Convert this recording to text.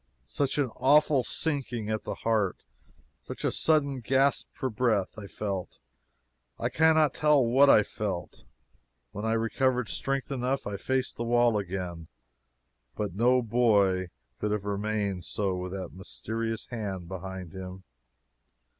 Such an awful sinking at the heart such a sudden gasp for breath! I felt I cannot tell what I felt. When I recovered strength enough, I faced the wall again. But no boy could have remained so with that mysterious hand behind him.